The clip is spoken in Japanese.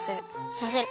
まぜる。